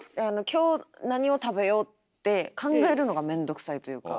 「今日何を食べよう」って考えるのが面倒くさいというか。